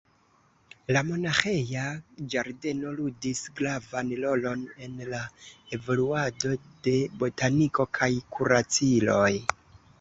La monaĥeja ĝardeno ludis gravan rolon en la evoluado de botaniko kaj kuraciloj.